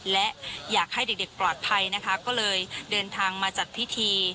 และอยากให้เด็กปลอดภัยนะคะก็เลยเดินทางมาจัดพิธี